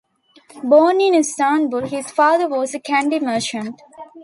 Born in Istanbul, his father was a candy merchant.